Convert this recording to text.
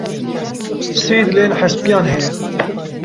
Sê dilên heştpêyan heye.